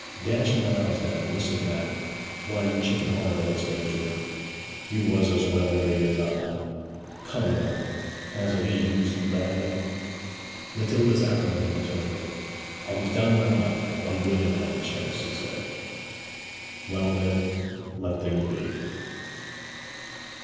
'Dash my eyes now; listen to that! Why, you chicken hearted old stager, you was as well agreed as I. Come now; hasn't he used you badly?' Matilda's acrimony returned. 'I was down on my luck, or he wouldn't have had the chance!' she said. 'Well, then, let things be.'